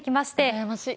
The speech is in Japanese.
羨ましい。